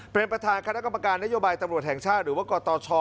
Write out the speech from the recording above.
เป็นประธานคณะกรรมการนโยบายตำรวจแห่งชาติหรือว่ากตช